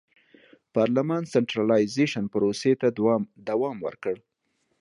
پارلمان سنټرالیزېشن پروسې ته دوام ورکړ.